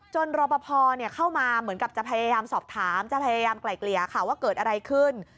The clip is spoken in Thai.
รอปภเข้ามาเหมือนกับจะพยายามสอบถามจะพยายามไกล่เกลี่ยค่ะว่าเกิดอะไรขึ้น